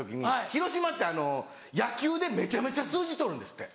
広島って野球でめちゃめちゃ数字取るんですって。